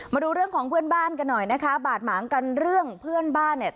มาดูเรื่องของเพื่อนบ้านกันหน่อยนะคะบาดหมางกันเรื่องเพื่อนบ้านเนี่ย